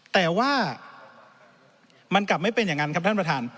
แต่ว่ามันกลับไม่เป็นอย่างนั้นครับท่านประธาน